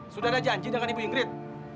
sudah ada janji dengan ibu ingrid